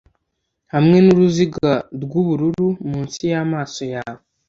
hamwe nuruziga rw'ubururu munsi y'amaso yawe